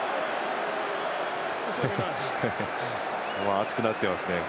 熱くなってますね。